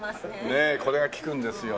ねえこれが効くんですよ。